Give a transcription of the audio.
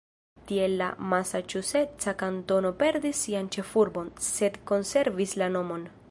Tiel la masaĉuseca kantono perdis sian ĉefurbon, sed konservis la nomon.